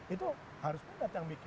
itu harus pendatang bikin